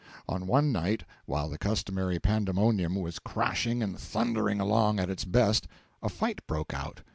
One night, while the customary pandemonium was crashing and thundering along at its best, a fight broke out.